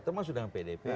termasuk dengan pdp